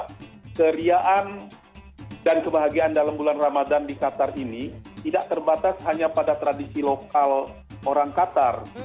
jadi keahlian dan kebahagiaan dalam bulan ramadhan di qatar ini tidak terbatas hanya pada tradisi lokal orang qatar